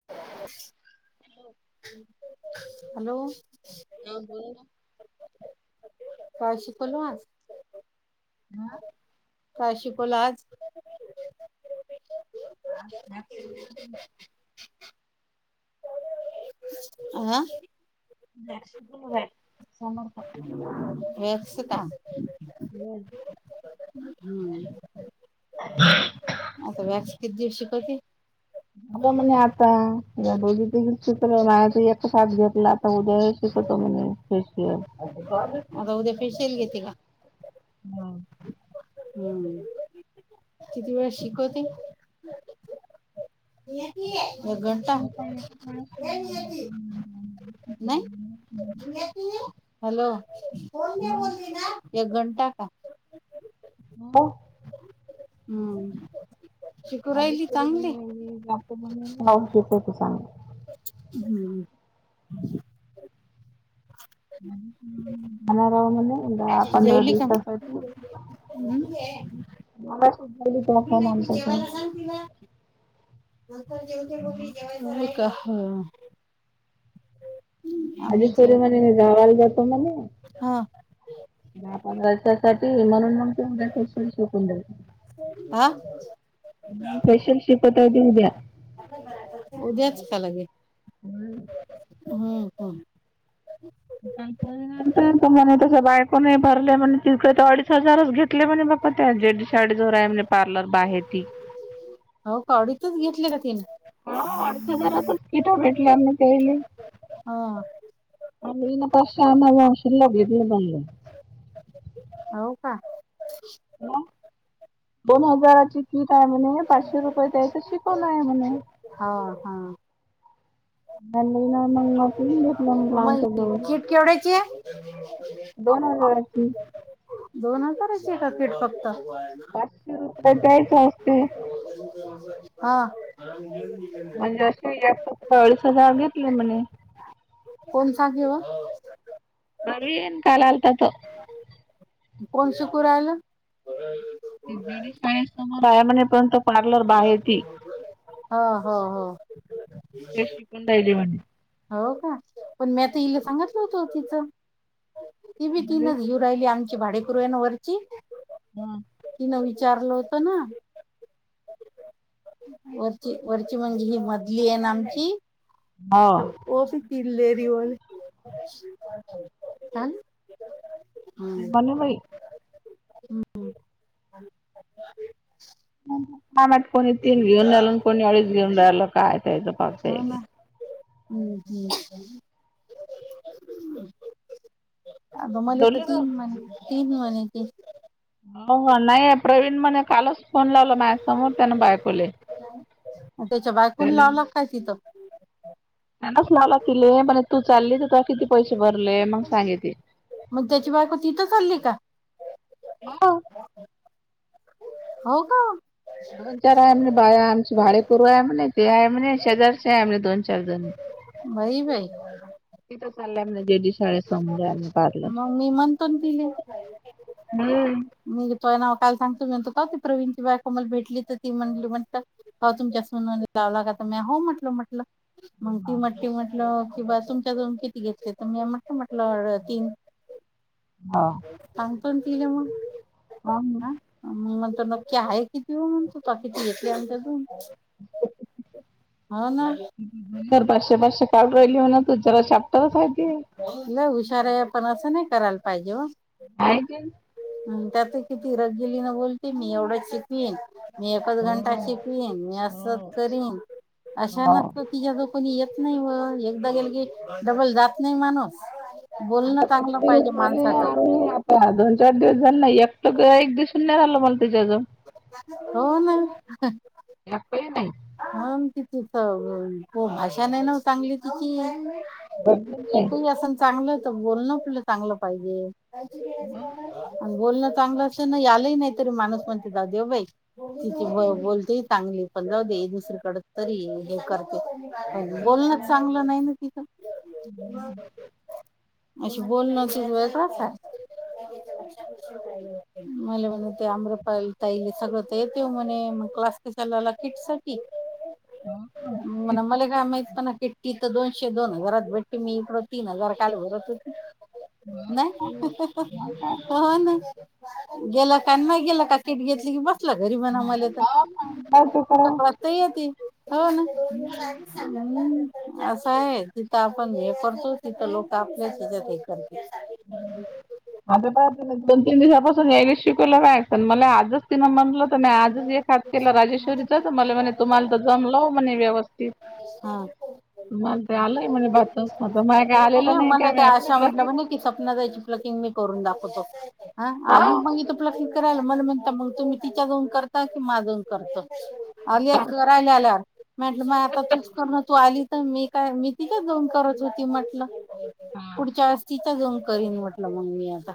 [inaudible] [unintelligible] Hello. [unintelligible] काय शिकलो आज? आ? काय शिकलो आज? [inaudible] आ? [unintelligible] व्यवस्थित हाय. बर. हम्म. आता वॅक्स किती दिवसं शिकवती? हो म्हणे आता या दोघी चित्र माझ तर एक [unintelligible] तो उद्या शिकवतो म्हणे फेशियल. आता उद्या फेशियल घेती का? हाव. हम्म. किती वेळ शिकवती? नाही? [unintelligible] हॅलो, एक घंटा का? [unintelligible] हा. [unintelligible] [unintelligible] हम्म ह [inaudible] जाणार हाय म्हणे, दहा पंधरा जेवली का मग? दिवसासाठी. [inaudible] मगाशीच झाली तेव्हा फोन आलता तो. होय का? हा. आम्ही राजेश्वरी जेव म्हणे मी गावाला जातो म्हणे हा. दहा, पंधरा दिवसासाठी म्हणून मग ते फेशियल म्हंटल शिकून [unintelligible] आ? मग फेशियल शिकवता येते उद्या. उद्याच का लगेच? [inaudible] हम्म [unintelligible] त्याच्या बायकोने नाही भरले म्हणे तीच तो अडीश हजार घेतले म्हणे बघ. म त्या जेडीशाडी जोर आहे म्हणे, पार्लर बाहेती. हो, कावडीतच घेतली का तेनी? [inaudible] इथं भेटल्या म्हणं ते. आ. [unintelligible] पैशे आणायला [unintelligible] हाव का? म दोन हजाराची ती काय म्हणे, पाचशे रुपये द्यायची शिकवण आहे म्हणे. हा हा मग किट केवढ्याची आहे [unintelligible] दोन हजारांची. दोन हजारांची का किट फक्त? पाचाशे रुपये द्यायचे हाईत ते. हा. म्हणजे [unintelligible] अ अडीस हजार घेतले म्हणे. कोण सांगे हो? घरी इन काल आलता तो. कोण शिकू रायलं? ते दिडी शाळेसमोर आहे, म्हणे पण तो पार्लर बाहेर ती ओ, हो हो. तेच शिकून राहिले म्हणे. हो का, पण म्या त तिला सांगतलं हुतं तिचं. तेबी म्हणे तीनच घेऊन घेऊन राहिली, आमची भाडेकरु आहे ना वरची हा. तिनं विचारलं होत ना वरची, वरची म्हणजे ही मधली आहे ना आमची हाव ओसी पील्लेरी वाले. [unintelligible] बनुबाई हम्म. [inaudible] काय माहित कोणी तेन घेऊन राहिलं आणि कोणी अडीच घेऊन राहिलं काय त्याचं बगताय ते. [unintelligible] अगं मले तर जेवली तू? तीन म्हणे, तीन म्हणे ती. आव्वा नाय, प्रवीण म्हणे कालच फोन लावला माझ्यासमोर त्यानं बायकोले. त्याच्या बायकोन त्याले लावला काय तीचं? असं मला तिने म्हणे तू चालली, तर किती पैसे भरले मंग सांगेल ती. मग त्याची बायको तिथं चालली का? हो. हो का? दोन चार आहे म्हणे बाया आमच्या भाडेकरु आहे म्हणे, ते आहे म्हणे, शेजारचे आहे म्हणे दोन चारजण. बाई, बाई. तिथे चालले म्हणे, जेडी शाळेसमोर आलं पार्लर. मग मी म्हणतो ना तिले नाय. मी तोय नाव काल सांगतो म्हणतो, का ती प्रवीणची बायको मला भेटली, तर ती म्हणली म्हणता हो तुमच्या सूनने लावला का? तर मी हो म्हटलं म्हटलं. मग ती म्हंटली म्हटलं, की बा तुमच्या दोन किट घेतले, त म्या म्हटले म्हटलं तीन. हाव. सांग पण तिले मग. आणि नंतर मग नक्की आहे किती [unintelligible] किती घेतले याच्यातून हो ना. तर पाचशे पाचशे काढू राहिली म्हणे ना तू जरा चॅप्टरच आहे ते. लय हुशार हाय पण असं नाही करायला पाहिजे ओ. हाय [unintelligible] हं त्यात किती रगिली ने बोलते मी एवढंच शिकवीन. मी एकच घंटा शिकवीन, मी असच करीन. अशा नसतात तिच्याकडं कोणी येत नाही व एकदा गेल की डबल जात नाही माणूस. बोलणं आता किती चांगलं दिवस पाहिजे झाले माणसाचं [unintelligible] हा दोन चार दिवस झाले ना एकट गिऱ्हाईक दिसून नाही राहील मला तिच्याजवळ. हो ना. एकटही नाही. हाव तिची त भाषा नाही ना ओ चांगली तिची. बघितलंय. तु असण चांगलं, तर बोलण आपलं चांगलं पाहिजे. आणि बोलणं चांगलं असलं ना आलंही नाही तरी माणूस म्हणते जाऊ दे ओ बाई. तिचे बो बोलतेही चांगली, पण जाऊ दे. दुसरीकडे तरी हे कर पण बोलणच चांगलं नाही ना तिचं. अशीे बोलण सुरू हाय का काय? मले म्हणे ते आम्रपाली ताईली सगळं तर येते म्हणे, मग क्लास कशाला आला किटसाठी? मग मला काय माहित म्हणाव किट तिथं दोनशे दोन हजारात भेटते. मी इकडं तीन हजार काल भरत होती. नाही. हो ना, गेलं का नाही गेलं का किट घेतली की बस तुला घरी बनाव मले तर काय करू? तक्रार तर येती, हो ना. हम्म. असं आहे तिथं आपण हे करतो तिथं लोक आपले हेच्यात हे करतेत. आता पहा दोन तीन दिवसापासून यायला शिकवलं असनं. मला आजच तिनं म्हटलं तर नाही आजच हे खात केलं राजेश्वरीच, तर म्हला म्हणे तुम्हाला तर जमलंव म्हणे व्यवस्थित. हा. तुम्हाला ते आलंय म्हणे [unintelligible] मला काय आलेलं नाही काय [unintelligible] [unintelligible] ताईची प्लकिंग मी करून दाखवतो. हा आली मग इथं प्लकिंग करायला मला म्हणता, मग तुम्ही तिच्या जाऊन करता, की माझ जाऊन करतं? आली करायल्या आल्यावर. म्हटलं मग आता तूच कर ना तू आली तर मी काय मी तिथच जाऊन करत होती म्हटलं. पुढच्या वेळेस तिथं जाऊन करीन म्हटलं मग मी आता,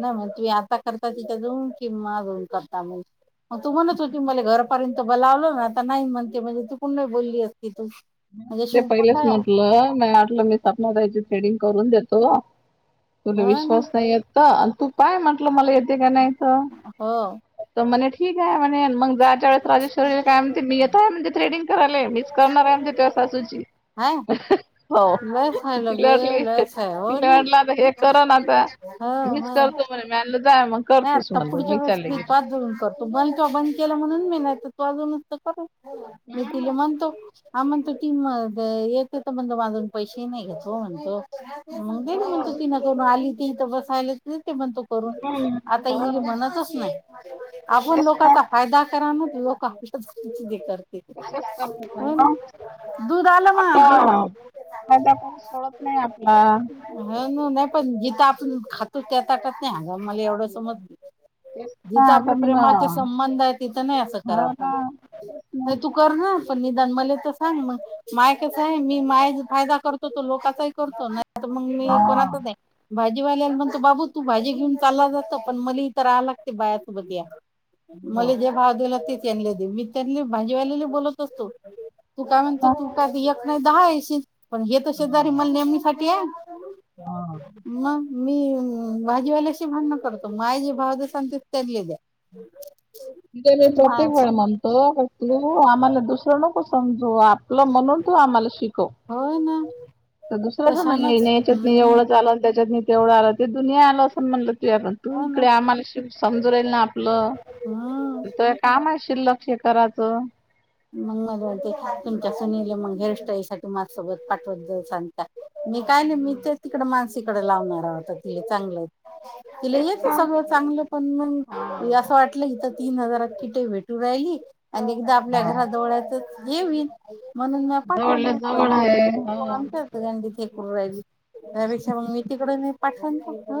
ना मग तू या का करता तिथं जाऊन, की माझ्या जवळ करता म्हणे? तू म्हण होती मले घरपर्यंत ते ब लावलं ना, आता नाही म्हणते. म्हणजे चुकून नाही बोलली असती तू. म्हणजे अशी ते उपट पहिलंच आहे म्हटलं, मया वाटलं मी सपना ताईची थ्रेडिंग करून देतो तुले हो ना विश्वास नाही येत का? आणि तू काय म्हटलं मला येते का नाहीत. हो. त म्हणे, ठीक हाय म्हणेल. मग जायच्या वेळेस राजेश्रीला काय म्हणते, मी येतोय म्हणते थ्रेडिंग करायले. मिच करणार आहे म्हणे तुझ्या सासूची. हा हो लईच हाय तिला लोगे, वाटली लईच हाय. हो तिला वाटलं आता हे ना. करन आता. मीच हो. करतो म्हणे म्या म्हणलं जाय मग. कर नाही तूच आता म्हणलं पुढच्या वेळेस चालले मी गेले. तुझ्याच जवळून कर तो बनतो बंद कवा बंद केलं म्हणून मी म्हणत, तर तू अजूनच तर कर मी तिला म्हणतो. हा म्हण तो टीम द येत होतं म्हणलं म अजून पैसे नाहीयेत ओ म्हणतो. म तेच हो म्हणत होती, मधून आली होती इथं बसायला येत नाही ते म्हणत मग काय झालं? आता ही म्हणतच नाही, आपण तेच ना लोकांचा फायदा करा नात लोकं [unintelligible] तसंच करता त्यांना? दुधाला आता फायदा कोणी सोडत नाही आपला. ह नाही पण जिथं आपण खातो, त्या ताटत नाही हागाव मला एवढं समजलं. तेच ना जिथं आता आपलं मी ना प्रेमाचे संबंध आहे, तिथं नाही असं करा हो आपण. ना तेच ना नाही तू करना, पण निदान मले तर सांगना. माय कसाय मी माय फायदा करतो, तो लोकाचाही करतो ना आता मग मी कोणातच नाही, भाजीवाल्याला म्हणतो बाबू तू भाजी घेऊन चालला जातं, पण मले इथं राहाय लागतं बायासोबत या. फायद्याला तीच आणली होती. [unintelligible] भाजीवालीला बोलतेस तू? तू तेच काय म्हणत ना तू का एक हाय नाही दहा येशील. पण हे तर शेजारी मल नेहमीसाठी हाय. मग मी भाजीवाल्याशी केव्हा ना करतो. माय जी भावजं सांगते त्याल हे द्या. मी त्याले प्रत्येक मायाचा वेळ म्हणतो, का तू आम्हाला दुसरं नको समजू. आ तुला म्हणून तू आमला शिकव. होय ना. तर दुसरंच नाही, तशानच हेन याच्यातनं हम्म एवढंच आलं आणि त्याच्यातनी तेवढं आलं. ते दुनिया आल असं म्हणलं, तूयापण तू हो ना इकडे आम्हाला समजू राईल ना आपलं. हा. इथं काम असशील, लक्षे कराचं. मग म म्हणते, तुमच्या सुनीले मग हेअर सटाईलसाठी माझसोबत पाठवत जाऊ सांगता. मी काय नाही. मीतर ते तिकड मानसीकड लावणार आहे वाटतं ती चांगलं तिला तेच येतं ना सगळं चांगलं पण, मग असं वाटलं इथ तीन हजारात किटे भेटू राहिल आणि एकदा आपल्या घराजवळ याचं हे होईल. म्हणून म्या जवळल्या पाठवलं, पण जवळ ते आहे हो आमच्याच सगळ्यांचीच हे करून राहिली. त्यापेक्षा मग मी तिकडं नाही पाठवंत. ह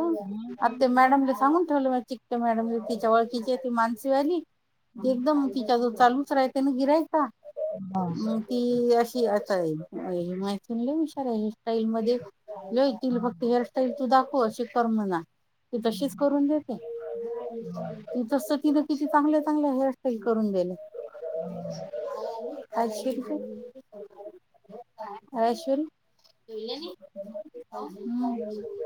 आता ते मॅडमले सांगून ठेवलं म्या चिकट्या मॅडम तिच्या ओळखीची हाय ती मानसीवाली. ती एकदम तिच्या जवळ चालूच राहाय, तेनं गिऱ्हाईका [unintelligible] मग ती अशी अस आहे, ही माहितीनं लय हुशार आहे, हेअर सटाईल मध्ये. लई तिले फक्त हेअर स्टाईल तू दाखव अशी कर म्हणा. ती तशीच करून देते. ती तस तीनं किती चांगल्या चांगल्या हेअरस्टाईल देले. [unintelligible] [unintelligible]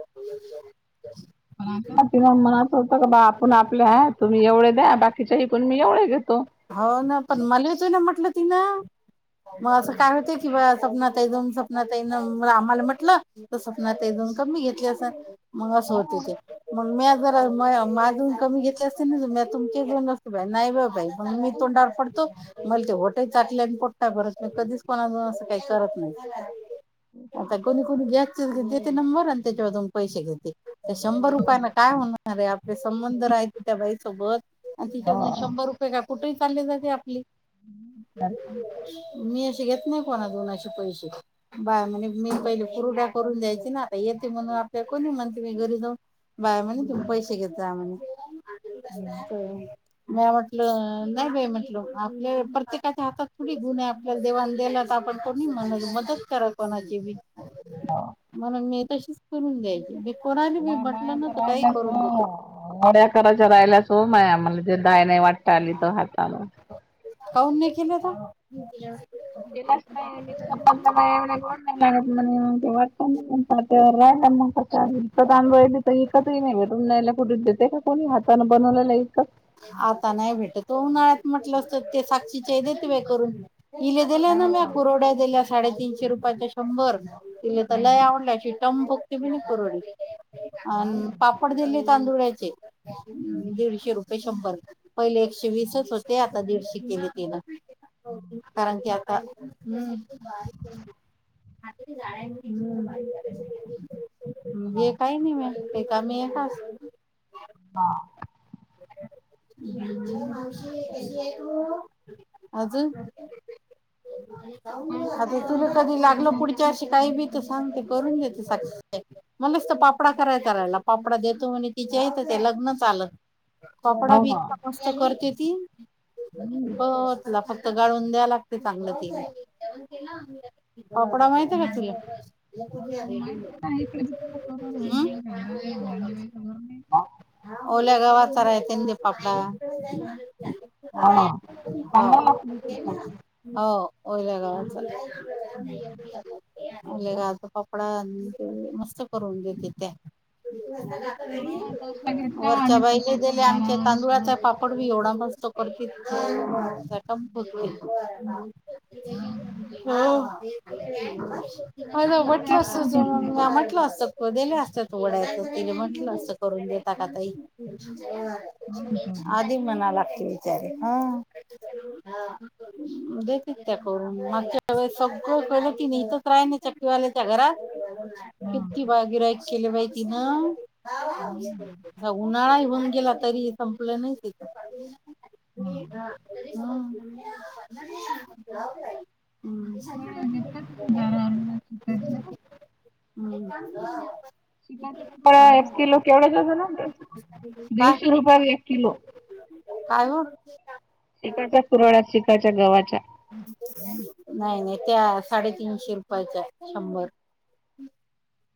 तिला म्हणत होत का बा आपण आपल्या हाय. तुम्ही एवढे द्या बाकीच्या इकुन मी एवढे घेतो. हाव ना पण मला तो ना म्हटलं ति ना मग असं काय होते किंवा सपना ताई दोन सपना ताई ना आम्हाला म्हटलं तर सपना ताई दोन कमी घेतली असं मग असं होते ते. मग म्या जरा म माजून कमी घेतले असते ना मे तुमचे दोन असते बाई नाही बा बाई म्हणून मी तोंडावर पडतो मला ते होट यी चटल्यान आणि पोट ही नाही बरत मी कधीच कोणा जून असं काही करत नाही. आणि कोणी कोणी गॅसचे देते नंबर त्याच्यावं जाऊन पैसे घेते ते शंभर रुपयान काय होणार ये आपले संबंध रायते त्या बाईसोबत आणि तिच्या कण शंभर रुपय कुठेही चालली ती आपली. [unintelligible] मी अशी घेत नाही कोणा कोणाचे पैसे. बाय म्हणे मी पहिले कुरुड्या करून दयायची ना आता येते म्हणून आपल्या कोणी म्हणते मी घरी जाऊन बाया म्हणे तुम्ही पैसे घेत जा म्हणे म्या म्हटलं नाही बाई म्हटल आपल्या प्रत्येकाच्या हातात थोडी गुण आहे आपल्याला देवाण देला तर आपण कोणी म्ह मदत खर कोणाची बी. हा. म्हणून मी तशीच करून द्यायची मी कोणाले बी म माया म्हटलं ना तर काही राहिल्याच करून देतो. हो वड्या कराच्या राहिल्यासो माया मला टी डाळ नाही वाटता आली तर हातानं. काऊन नाइ केल्या तू? केलाच नाय [unintelligible] त्यात आमच्या इथ इकतही नाही भेटून राहिल्या कुठे देते का कोणी हातांन बनवलेला इकत. आता नाही भेटत वो, उन्हाळ्यात म्हटलं असत ते साक्षची आई देते बाई करून. इले दिल्या ना म्या कुरवड्या दिल्या साडेतीनशे रुपयाच्या शंभर, ईले त लय आवडल्या शी दाम- फक्ते बी नाही करडी [unintelligible] अन पापड दिले तांदुळाचे. दीडशे रुपये शंभर, पहिले एकशे वीसच होते आता दीडशे केले तिन. कारण कि आता हम्म. ये काय नी मी ते का मी आस हां. अजून? आता तुला कधी लागल पुढ ती अशी काय बी त सांगते करून घेते साक्षी म्हणूनच त पापडा करायचा राहायला पापडा देतो म्हने तिची आई ते लग्नच आल. पापडा बि इतका मस्त करते ती तुला फक्त गाळून द्या लागते चांगलं ते. फापडा माहिते का तुला? हम्. [unintelligible] ओल्या गवचा रायतेंन ते पापडा. हो [unintelligible] हो ओयल्या गावा चालाय. लय राजो पापडा आन मस्त करून देतेत्या. वरच्या बाईले दिले आमच्यात त्याचा पापड बी एवढा मस्त करती [unintelligible] टम फुकते. हो. हॉलो म्हटलं असत म्या म्हटलं असतं. व गेले असते वडाय तिने म्हटलं असतं असं करून देता का ताई. आधी म्हणाय लागतय त्याला हा. देतात त्या करून मागच्या वेळी इथेच राहून सगळे. चक्की वाल्याच्या घरात किती बाय गिराईक केलं तिनं. उन्हाळा इवन गेला तरी संपलं नाय तिचं. [inaudible] हम्. [inaudible] त्या एक किलो केवड्याचा [unintelligible] काय दीडशे रुपयाला एक. किलो. काय हो? चिकाच्या कुरळ्या चिकाच्या गव्हाच्या. नाही नाही त्या साडेतीनशे रुपयाचं आहे शंभर.